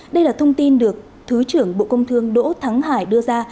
đây là thông tin được thứ trưởng bộ công thương đỗ thắng hải đưa ra